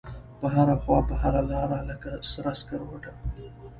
په هره خواپه هره لاره لکه سره سکروټه